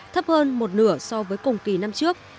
thấp hơn một nửa so với cùng kỳ năm trước